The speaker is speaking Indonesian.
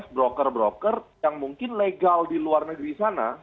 broker broker yang mungkin legal di luar negeri sana